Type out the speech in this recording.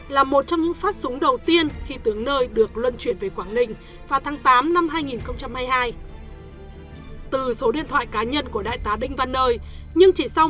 là một trong những phát súng đầu tiên khi tướng nơi được luân chuyển về quảng ninh